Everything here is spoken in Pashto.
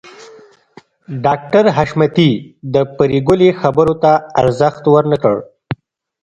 ډاکټر حشمتي د پريګلې خبرو ته ارزښت ورنکړ